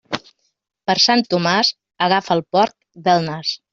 Per Sant Tomàs, agafa el porc del nas.